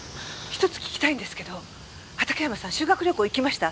一つ聞きたいんですけど畑山さん修学旅行行きました？